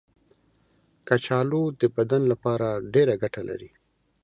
کچالو د بدن لپاره ډېره ګټه لري.